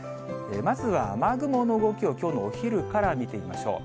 まずは雨雲の動きをきょうのお昼から見てみましょう。